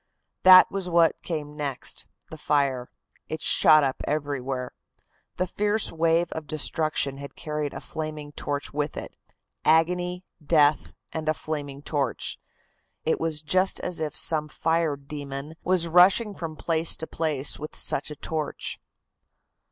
"That was what came next the fire. It shot up everywhere. The fierce wave of destruction had carried a flaming torch with it agony, death and a flaming torch. It was just as if some fire demon was rushing from place to place with such a torch."